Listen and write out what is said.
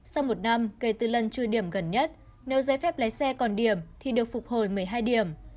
sau một năm kể từ lần trừ điểm gần nhất nếu giấy phép lái xe còn điểm thì được phục hồi một mươi hai điểm